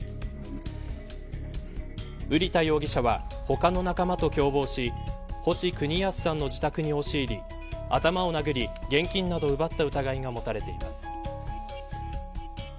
瓜田容疑者は他の仲間と共謀し星邦康さんの自宅に押し入り頭を殴り現金などを奪った疑いが持たれています。